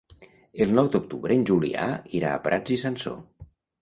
El nou d'octubre en Julià irà a Prats i Sansor.